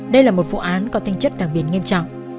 đây là một vụ án có tinh chất đặc biệt nghiêm trọng